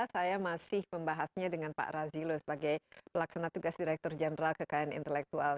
saya masih membahasnya dengan pak razilo sebagai pelaksana tugas direktur jenderal kekayaan intelektual